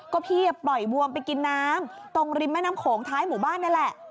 ก็พี่ปล่อยบวมไปกินน้ำตรงริมแม่น้ำโขงท้ายหมู่บ้านนี่แหละ